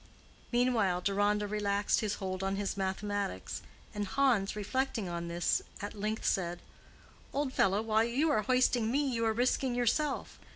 Meanwhile Deronda relaxed his hold on his mathematics, and Hans, reflecting on this, at length said: "Old fellow, while you are hoisting me you are risking yourself.